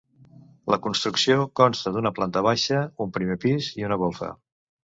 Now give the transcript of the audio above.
La construcció consta d'una planta baixa, un primer pis i una golfa.